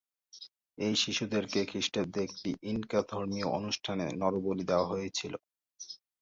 ঐ শিশুদেরকে খ্রীস্টাব্দে একটি ইনকা ধর্মীয় অনুষ্ঠানে নরবলি দেওয়া হয়েছিল।